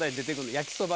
焼きそば。